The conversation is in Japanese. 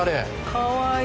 かわいい。